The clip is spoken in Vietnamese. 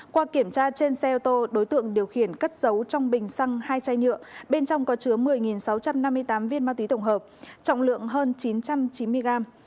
qua kiểm tra trên xe ô tô đối tượng điều khiển cất giấu trong bình xăng hai chai nhựa bên trong có chứa một mươi sáu trăm năm mươi tám viên ma túy tổng hợp trọng lượng hơn chín trăm chín mươi gram